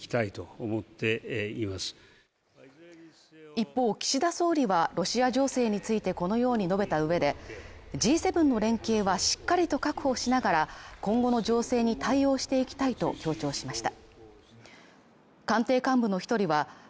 一方、岸田総理はロシア情勢についてこのように述べた上で、Ｇ７の連携はしっかりと確保しながら、今後の情勢に対応していきたいと強調しました。